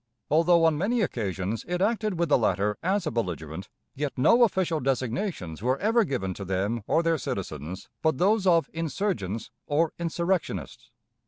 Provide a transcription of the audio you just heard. Although on many occasions it acted with the latter as a belligerent, yet no official designations were ever given to them or their citizens but those of "insurgents," or "insurrectionists."